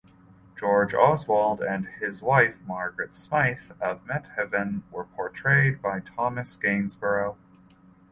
George Oswald and his wife Margaret Smythe of Methven were portrayed by Thomas Gainsborough.